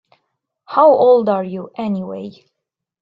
How old are you anyway?